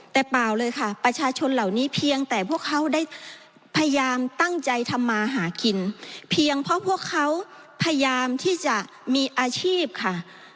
แต่เปล่าเลยค่ะประชาชนเหล่านี้เพียงแต่พวกเขาได้พยายามตั้งใจทำมาหากินเพียงเพราะพวกเขาพยายามที่จะมีอาชีพค่ะ